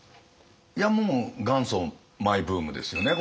いやもう元祖マイブームですよね